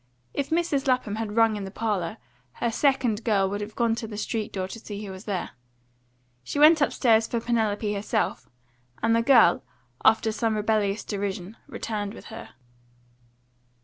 If Mrs. Lapham had rung in the parlour, her second girl would have gone to the street door to see who was there. She went upstairs for Penelope herself, and the girl, after some rebellious derision, returned with her.